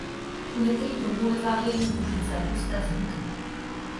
U některých druhů vytvářejí růžice husté shluky.